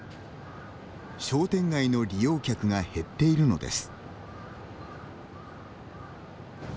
商店街の利用客が減っているのです。